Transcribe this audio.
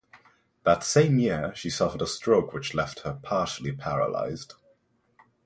That same year, she suffered a stroke which left her partially paralyzed.